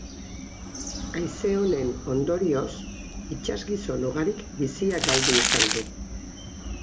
Haize honen ondorioz itsasgizon ugarik bizia galdu izan du.